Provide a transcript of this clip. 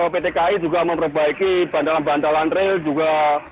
pt kai juga memperbaiki bandalan bandalan rel juga